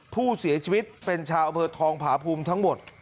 ผู้เสียชีวิตเป็นชาวอำเภอทองผาภูมิทั้งหมด